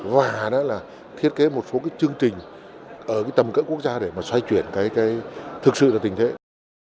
và đó là thiết kế một số chương trình ở tầm cỡ quốc gia để xoay chuyển thực sự là tình thế này